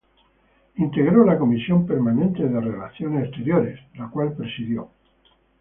Integró la Comisión Permanente de Relaciones Exteriores, la que presidió.